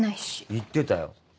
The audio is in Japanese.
言ってたよ。